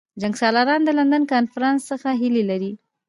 جنګسالاران د لندن کنفرانس څخه هیلې لري.